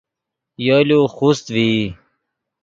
یولو خوست ڤئی